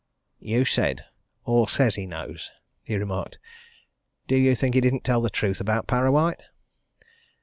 "You said 'or says he knows,'" he remarked. "Do you think he didn't tell the truth about Parrawhite?"